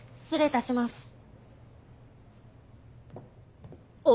失礼いたします。